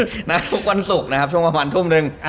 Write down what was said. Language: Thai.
ทุกวันศุกร์นะครับช่วงประมาณทุ่มนึง